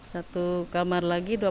satu kamar lagi dua puluh tujuh orang